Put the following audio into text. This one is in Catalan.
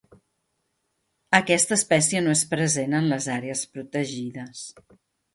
Aquesta espècie no és present en les àrees protegides.